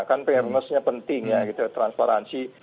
kan fairness nya penting ya gitu transparansi